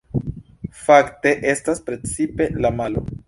Fakte, estas precize la malo!